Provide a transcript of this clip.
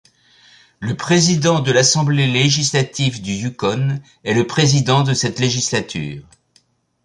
Le Président de l'Assemblée législative du Yukon est le président de cette législature.